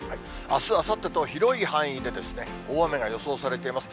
あす、あさってと広い範囲で大雨が予想されています。